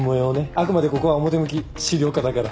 あくまでここは表向き資料課だから。